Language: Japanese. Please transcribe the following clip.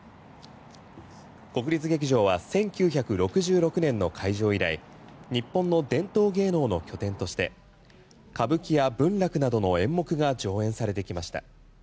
国立劇場は１９６６年の開場以来日本の伝統芸能の拠点として歌舞伎や文楽などの演目が上演されてきました。